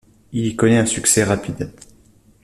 Il y connaît un succès rapide.